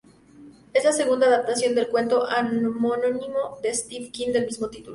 Es la segunda adaptación del cuento homónimo de Stephen King de mismo título.